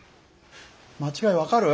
間違い分かる？